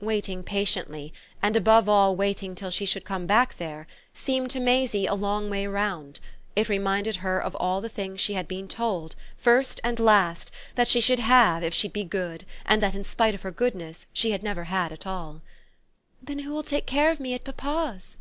Waiting patiently, and above all waiting till she should come back there, seemed to Maisie a long way round it reminded her of all the things she had been told, first and last, that she should have if she'd be good and that in spite of her goodness she had never had at all. "Then who'll take care of me at papa's?"